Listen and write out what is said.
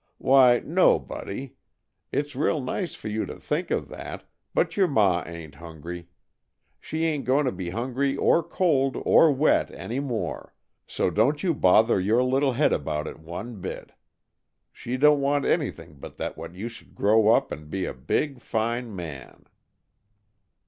Why, no, Buddy. It's real nice for you to think of that, but your ma ain't hungry. She ain't going to be hungry or cold or wet any more, so don't you bother your little head about it one bit. She don't want anything but that you should grow up and be a big, fine man."